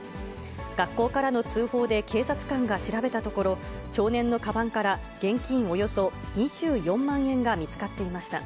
学校からの通報で警察官が調べたところ、少年のかばんから現金およそ２４万円が見つかっていました。